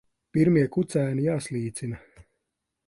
Pirmie kucēni jāslīcina.